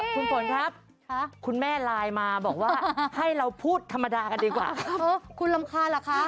คุณฝนครับคุณแม่ไลน์มาบอกว่าให้เราพูดธรรมดากันดีกว่าคุณรำคาญเหรอคะ